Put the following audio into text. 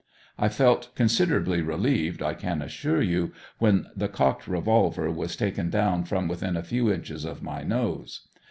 I felt considerably relieved, I can assure you, when the cocked revolver was taken down from within a few inches of my nose.